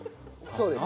そうですよ。